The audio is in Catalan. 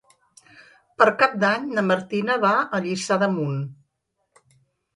Per Cap d'Any na Martina va a Lliçà d'Amunt.